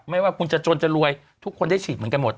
ว่าคุณจะจนจะรวยทุกคนได้ฉีดเหมือนกันหมด